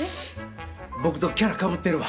僕とキャラかぶってるわ。